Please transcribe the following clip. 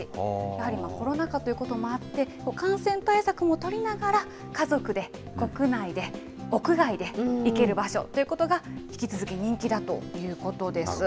やはりコロナ禍ということもあって、感染対策も取りながら、家族で、国内で、屋外で行ける場所ということが、引き続き人気だということです。